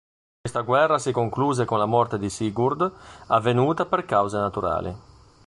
Questa guerra si concluse con la morte di Sigurd avvenuta per cause naturali.